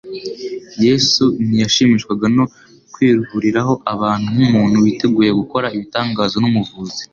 Yesu ntiyashimishwaga no kwikururiraho abantu nk'umuntu witeguye gukora ibitangaza n'Umuvuzi.